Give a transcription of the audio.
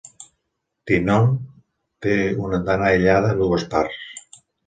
Tynong té una andana aïllada amb dues parts.